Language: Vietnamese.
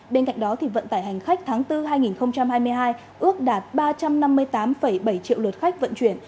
bên cạnh đó vận tải hành khách tháng bốn hai nghìn hai mươi hai ước đạt ba trăm năm mươi tám bảy triệu lượt khách vận chuyển